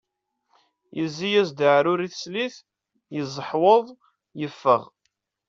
Yezzi-as-d aɛrur i teslit, yezzeḥweḍ yeffeɣ.